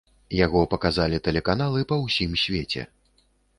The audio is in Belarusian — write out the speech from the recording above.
Яго паказалі тэлеканалы па ўсім свеце.